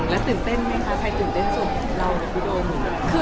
แล้วตื่นเต้นไหมคะใครตื่นเต้นสุดเรานะพี่โดม